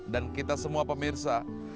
dan kita semua pemirsa